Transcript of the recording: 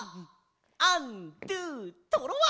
アンドゥトロワ！